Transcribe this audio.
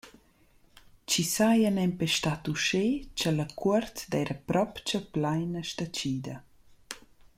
Chi saja nempe stat uschè cha la cuort d’eira propcha plaina stachida.